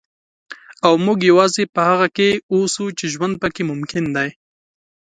او موږ یوازې په هغه کې اوسو چې ژوند پکې ممکن دی.